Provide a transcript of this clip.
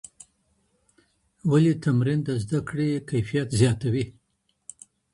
ولي تمرین د زده کړي کیفیت زیاتوي؟